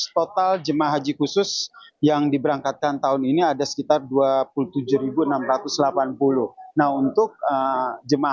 total jemaah haji khusus yang diberangkatkan tahun ini ada sekitar dua puluh tujuh enam ratus delapan puluh nah untuk jemaah